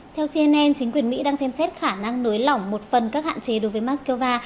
theo cnn chính quyền mỹ đang xem xét khả năng nới lỏng một phần các hạn chế đối với moscow